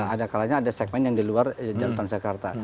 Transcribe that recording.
ada kalanya ada segmen yang di luar jalur transjakarta